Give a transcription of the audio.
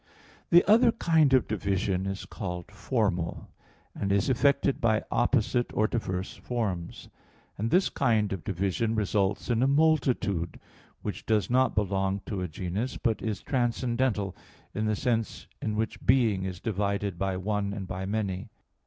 The other kind of division is called formal, and is effected by opposite or diverse forms; and this kind of division results in a multitude, which does not belong to a genus, but is transcendental in the sense in which being is divided by one and by many.